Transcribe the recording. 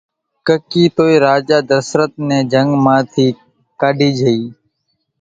ڪڪِي توئي راجا ڌسرت نين جنگ مان ٿي ڪاڍي جھئي۔